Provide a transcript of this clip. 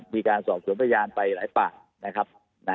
มีการสอบสัญญาณประโยนไปหลายประภ